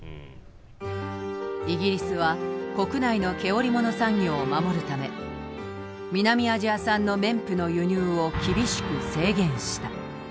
イギリスは国内の毛織物産業を守るため南アジア産の綿布の輸入を厳しく制限した。